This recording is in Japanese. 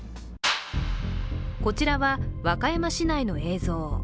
こちらは和歌山市内の映像。